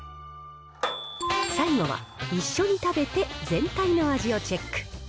最後は、一緒に食べて全体の味をチェック。